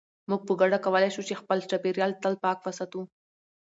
موږ په ګډه کولای شو چې خپل چاپیریال تل پاک وساتو.